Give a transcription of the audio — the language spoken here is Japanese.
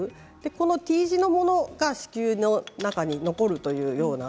このＴ字のものが子宮の中に残るというような